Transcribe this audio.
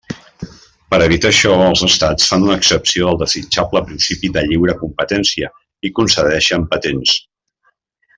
Per evitar això, els estats fan una excepció al desitjable principi de lliure competència i concedeixen patents.